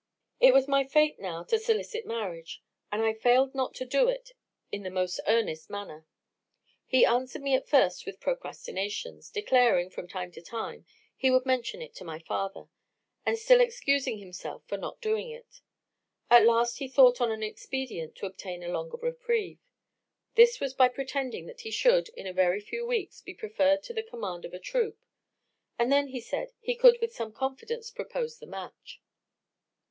"It was my fate now to solicit marriage; and I failed not to do it in the most earnest manner. He answered me at first with procrastinations, declaring, from time to time, he would mention it to my father; and still excusing himself for not doing it. At last he thought on an expedient to obtain a longer reprieve. This was by pretending that he should, in a very few weeks, be preferred to the command of a troop; and then, he said, he could with some confidence propose the match.